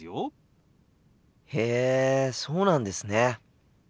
へえそうなんですね。